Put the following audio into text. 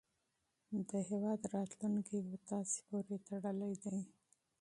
د هیواد راتلونکی په تاسې پورې تړلی دی.